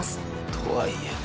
とはいえね。